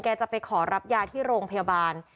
จะไปขอรับยาที่โรงพยาบาล